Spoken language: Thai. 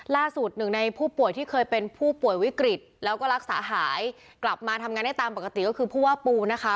หนึ่งในผู้ป่วยที่เคยเป็นผู้ป่วยวิกฤตแล้วก็รักษาหายกลับมาทำงานได้ตามปกติก็คือผู้ว่าปูนะคะ